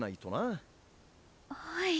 はい。